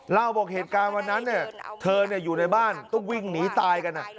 เล่าบอกเหตุการณ์วันนั้นเธออยู่ในบ้านต้องวิ่งหนีตายกัน